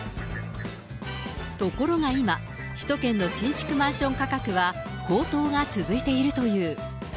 ところが今、首都圏の新築マンション価格は高騰が続いているという。